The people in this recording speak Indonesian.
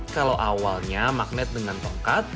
kalau awalnya magnet dengan tongkat